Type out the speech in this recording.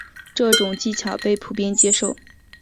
这种技巧被普遍接受。